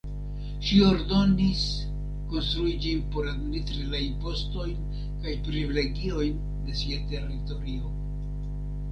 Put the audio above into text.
Ŝi ordonis konstrui ĝin por administri la impostojn kaj privilegiojn de sia teritorio.